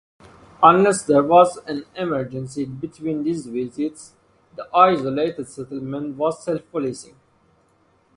Unless there was an emergency in between these visits, the isolated settlement was self-policing.